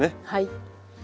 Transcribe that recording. はい。